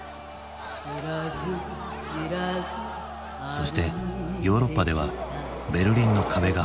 そしてヨーロッパではベルリンの壁が崩壊。